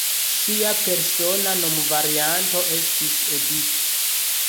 Ŝia persona nomvarianto estis "Edith".